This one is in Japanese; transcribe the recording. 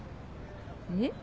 えっ？